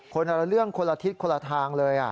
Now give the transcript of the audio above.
คนละเรื่องคนละทิศคนละทางเลย